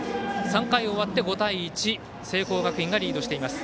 ３回終わって５対１、聖光学院がリードしています。